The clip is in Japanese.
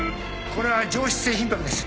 これは上室性頻拍です。